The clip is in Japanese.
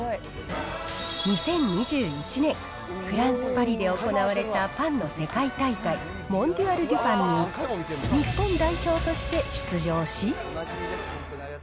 ２０２１年、フランス・パリで行われたパンの世界大会、モンディアル・デュ・パンに日本代表として出場し。